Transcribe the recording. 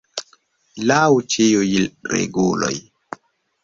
Laŭ ĉiuj reguloj!